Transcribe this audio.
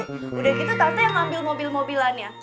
udah gitu tante yang ngambil mobil mobilannya